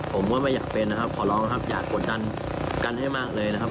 ผมก็ไม่อยากเป็นนะครับขอร้องนะครับอยากกดดันกันให้มากเลยนะครับ